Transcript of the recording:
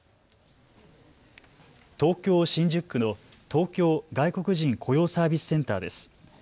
東京新宿区の東京外国人雇用サービスセンターです。